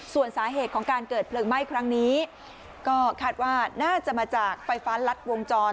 ส่วนสาเหตุของการเกิดเพลิงไหม้ครั้งนี้ก็คาดว่าน่าจะมาจากไฟฟ้ารัดวงจร